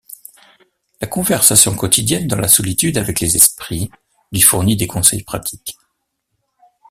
La conversation quotidienne dans la solitude avec les esprits lui fournit des conseils pratiques.